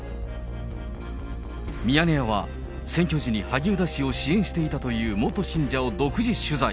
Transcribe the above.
ミヤネ屋は選挙時に萩生田氏を支援していたという元信者を独自取材。